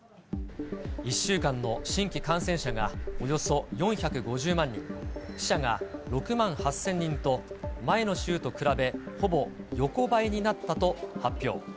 １週間の新規感染者がおよそ４５０万人、死者が６万８０００人と、前の週と比べ、ほぼ横ばいになったと発表。